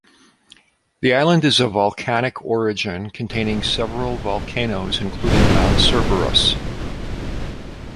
The island is of volcanic origin, containing several volcanoes including Mount Cerberus.